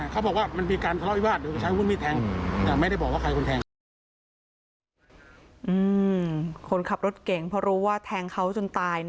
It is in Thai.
คนขับรถเก่งเพราะรู้ว่าแทงเขาจนตาย